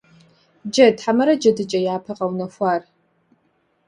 Джэд хьэмэрэ джэдыкӀэ япэ къэунэхуар?